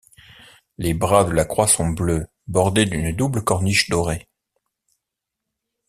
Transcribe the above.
Les bras de la croix sont bleus, bordés d'une double corniche dorée.